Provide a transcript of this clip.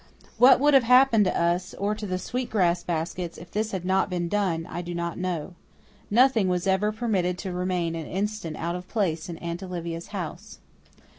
What would have happened to us, or to the sweet grass baskets, if this had not been done I do not know. Nothing was ever permitted to remain an instant out of place in Aunt Olivia's house.